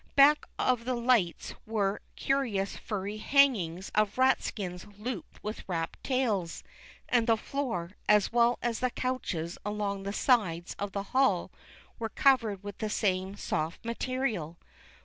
Back of the lights were curious furry hangings of rat skins looped with rat tails, and the floor, as well as the couches along the sides of the hall, were covered with the same soft ma terial.